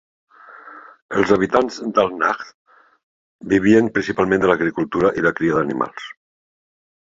Els habitants d'Al-Nahr vivien principalment de l'agricultura i la cria d'animals.